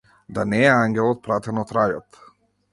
Да не е ангелот пратен од рајот.